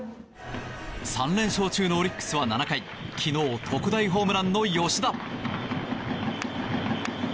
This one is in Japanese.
３連勝中のオリックスは７回昨日特大ホームランの吉田。